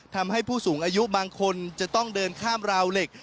ทำให้ผู้สูงอายุบางคนจะต้องเดินข้ามราวเหล็ก